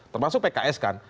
termasuk pks kan